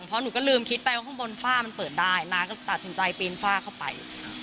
เพราะหนูก็ลืมคิดไปว่าข้างบนฝ้ามันเปิดได้น้าก็ตัดสินใจปีนฝ้าเข้าไป